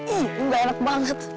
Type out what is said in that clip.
ih gue gak enak banget